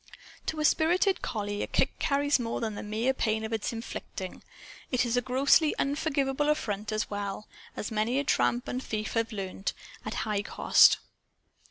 To a spirited collie, a kick carries more than the mere pain of its inflicting. It is a grossly unforgivable affront as well as many a tramp and thief have learned, at high cost.